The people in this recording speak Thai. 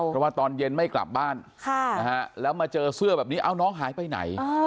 เพราะว่าตอนเย็นไม่กลับบ้านแล้วมาเจอเสื้อแบบนี้เอาน้องหายไปไหน